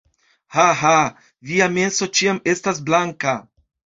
Haha. Via menso ĉiam estas blanka